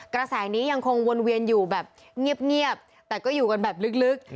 กระแสนี้ยังคงวนเวียนอยู่แบบเงียบแต่ก็อยู่กันแบบลึก